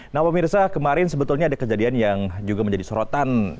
nah pemirsa kemarin sebetulnya ada kejadian yang juga menjadi sorotan